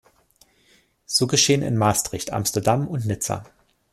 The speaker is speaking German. So geschehen in Maastricht, Amsterdam und Nizza.